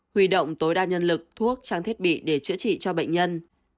huy động tối đa nhân lực thuốc trang thiết bị để chữa trị cho bệnh nhân